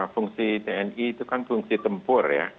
fungsi tni itu kan fungsi tempur ya